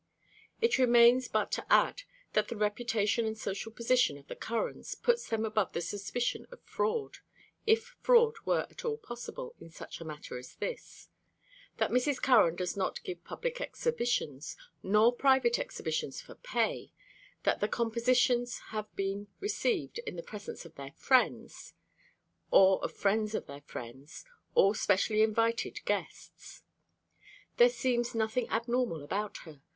It remains but to add that the reputation and social position of the Currans puts them above the suspicion of fraud, if fraud were at all possible in such a matter as this; that Mrs. Curran does not give public exhibitions, nor private exhibitions for pay; that the compositions have been received in the presence of their friends, or of friends of their friends, all specially invited guests. There seems nothing abnormal about her.